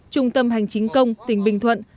trung tâm hành chính công tỉnh bình thuận